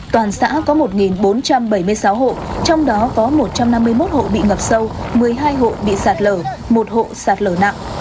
toàn xã có một bốn trăm bảy mươi sáu hộ trong đó có một trăm năm mươi một hộ bị ngập sâu một mươi hai hộ bị sạt lở một hộ sạt lở nặng